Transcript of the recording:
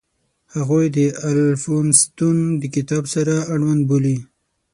هغوی د الفونستون د کتاب سره اړوند بولي.